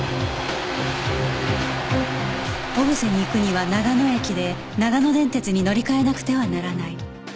小布施に行くには長野駅で長野電鉄に乗り換えなくてはならない